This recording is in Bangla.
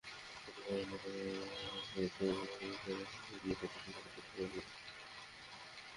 প্রতিবারের মতো এবারও তথ্য সংগ্রহকারীরা ঘরে ঘরে গিয়ে ভোটারের তথ্য সংগ্রহ করবেন।